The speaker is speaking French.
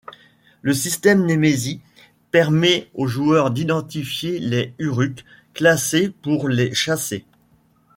Le système Nemesis permet au joueur d'identifier les Uruks classés pour les chasser.